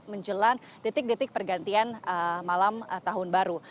menjelang detik detik pergantian malam tahun baru